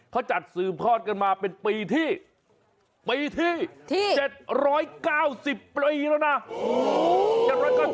เขาจัดสืบทอดกันมาเป็นปีที่ปีที่๗๙๐ปีแล้วนะ